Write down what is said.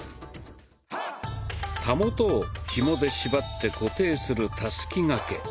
たもとをひもで縛って固定する「たすき掛け」。